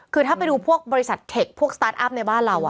คือถ้าไปดูพวกบริษัทเทคพวกสตาร์ทอัพในบ้านเรา